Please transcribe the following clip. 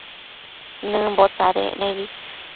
Nëmbo tsadtsec nebi